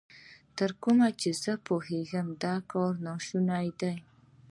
تر کومه چې پوهېږم، دا کار نا شونی دی.